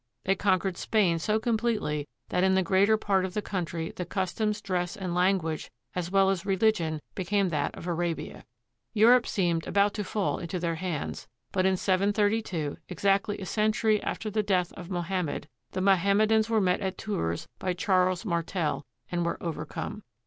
They conquered Spain so completely that in the greater part of the country the customs, dress, and language i as well as religion became that of Arabia. Europe seemed! about to fall into their hands, but in 732, exactly a century! after the death of Mohammed, the Mohammedans were met! at Tours by Charles Martel and were overcome.